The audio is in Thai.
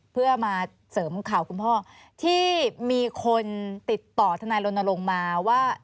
เพื่อมาเสริมข่าวคุณพ่อที่มีคนติดต่อทนายรณรงค์มาว่า